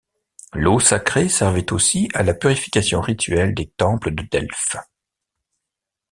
L'eau sacrée servait aussi à la purification rituelle des temples de Delphes.